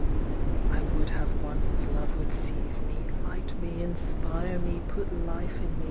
I would have one whose love would seize me, Light me, inspire me, put life in me.